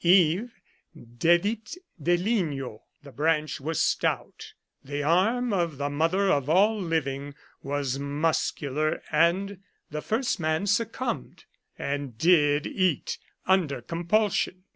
Eve dedit de ligno ; the branch was stout, the arm of the " mother of all living " was muscular, and the first man succumbed, and " did eat " under com pulsion.